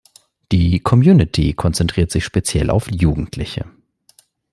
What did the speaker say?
Die Community konzentriert sich speziell auf Jugendliche.